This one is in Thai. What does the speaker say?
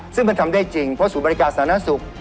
ซึ่งมันทำได้จริงเพราะศูนย์บริการสาธารณสุข